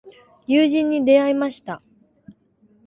友人に出会いました。